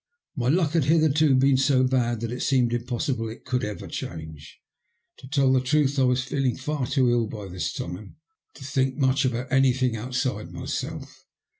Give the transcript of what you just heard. My luck had hitherto been so bad that it seemed impossible it could ever change. To tell the truth, I was feeling far too ill by this time to think much about anything outside myself.